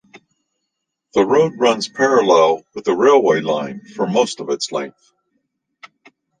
The road runs parallel with the railway line for most of its length.